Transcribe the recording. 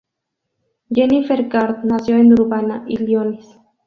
Jennifer Garth nació en Urbana, Illinois.